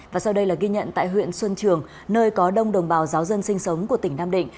và sau đây là ghi nhận tại huyện xuân trường nơi có đông đồng bào giáo dân sinh sống của tỉnh nam định